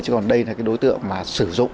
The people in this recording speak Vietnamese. chứ còn đây là cái đối tượng mà sử dụng